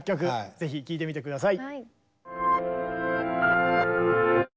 ぜひ聴いてみて下さい。